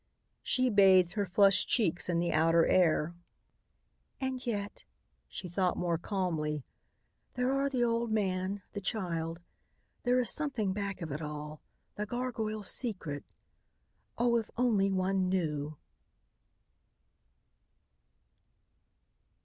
She bathed her flushed cheeks in the outer air. "And yet," she thought more calmly, "there are the old man, the child. There is something back of it all. The gargoyle's secret. Oh! if only one knew!"